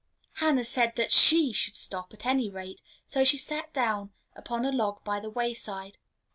Hannah said that she should stop, at any rate; so she sat down upon a log by the way side.